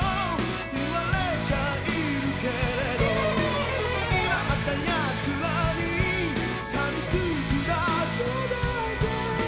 「言われちゃいるけれど」「いばったやつらにはりつくだけだぜ」